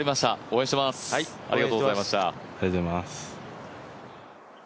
ありがとうございます。